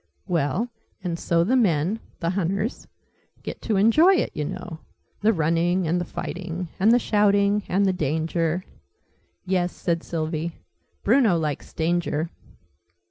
"Well, and so the men the hunters get to enjoy it, you know: the running, and the fighting, and the shouting, and the danger." "Yes," said Sylvie. "Bruno likes danger."